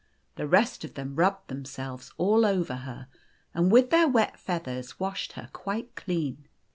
The rest of them rubbed themselves all over her, and with their wet feathers washed her quite clean.